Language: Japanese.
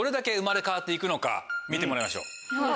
見てもらいましょう。